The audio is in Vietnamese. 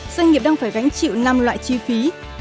doanh nghiệp đang phải gánh chịu năm loại chi phí